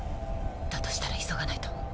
だとしたら急がないと。